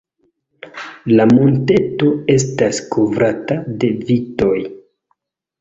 La monteto estas kovrata de vitoj.